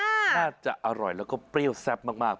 แทบจะอร่อยแล้วก็เปรี้ยวแซ่บมาก